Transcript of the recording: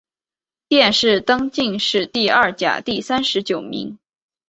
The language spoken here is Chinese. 殿试登进士第二甲第三十九名。